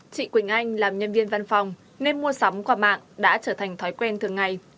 chị quỳnh anh làm nhân viên văn phòng nên mua sắm qua mạng đã trở thành thói quen thường ngày